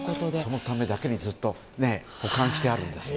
そのためだけにずっと保管してあるんですよ。